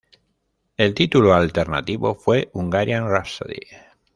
El título alternativo fue Hungarian Rhapsody.